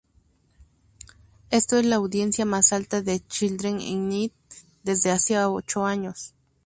Esto es la audiencia más alta de "Children in Need" desde hacía ocho años.